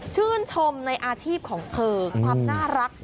ชื่นชมในอาชีพของเธอความน่ารัก